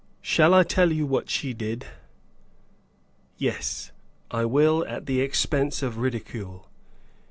Shall I tell you what she did? Yes, I will at the expense of ridicule.